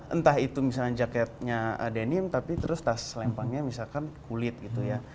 entah itu misalnya jaketnya denim tapi terus tas lempangnya misalkan kulit gitu ya